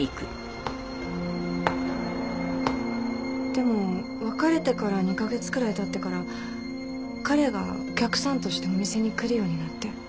でも別れてから２カ月くらい経ってから彼がお客さんとしてお店に来るようになって。